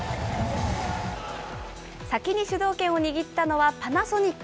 先に主導権を握ったのは、パナソニック。